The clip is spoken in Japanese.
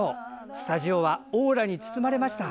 スタジオはオーラに包まれました。